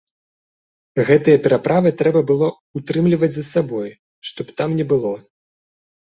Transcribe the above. Гэтыя пераправы трэба было ўтрымліваць за сабой што б там ні было.